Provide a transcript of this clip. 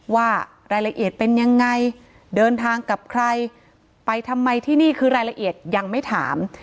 ว่ารายละเอียดเป็นยังไงเดินทางกับใครไปทำไมที่นี่คือรายละเอียดยังไม่ถาม